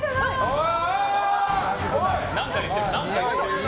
何か言ってる。